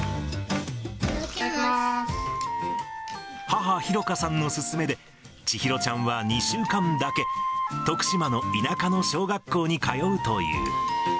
母、裕香さんの勧めで、千尋ちゃんは２週間だけ、徳島の田舎の小学校に通うという。